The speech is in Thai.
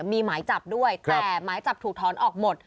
มีหมายจับด้วยแต่หมายจับถูกถอนออกหมด